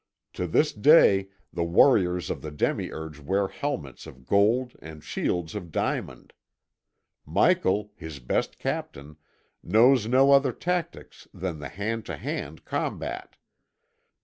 To this day the warriors of the demiurge wear helmets of gold and shields of diamond. Michael, his best captain, knows no other tactics than the hand to hand combat.